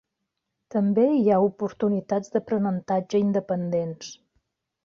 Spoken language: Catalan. També hi ha oportunitats d'aprenentatge independents.